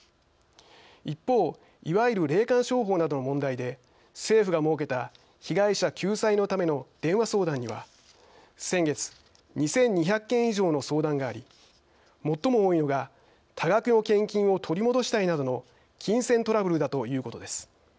一方いわゆる霊感商法などの問題で政府が設けた被害者救済のための電話相談には先月２２００件以上の相談があり最も多いのが多額の献金を取り戻したいなどの金銭トラブルだということです。